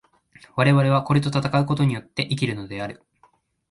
我々はこれと戦うことによって生きるのである。